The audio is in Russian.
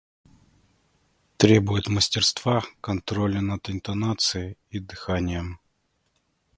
Требует мастерства, контроля над интонацией и дыханием.